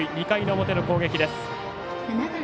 ２回の表の攻撃です。